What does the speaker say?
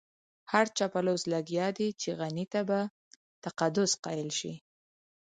هر چاپلوس لګيا دی چې غني ته په تقدس قايل شي.